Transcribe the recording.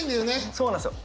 そうなんですよ。